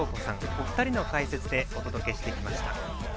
お二人の解説でお届けしてきました。